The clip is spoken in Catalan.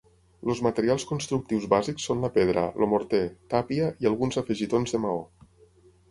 Els materials constructius bàsics són la pedra, el morter, tàpia i alguns afegitons de maó.